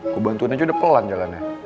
kubantuin aja udah pelan jalannya